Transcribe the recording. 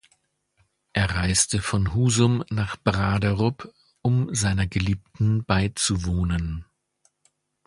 Er reiste von Husum nach Braderup, um seiner Geliebten beizuwohnen.